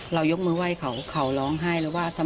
ยกมือไหว้เขาเขาร้องไห้แล้วว่า